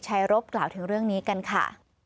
รบกล่าวถึงเรื่องนี้กันค่ะ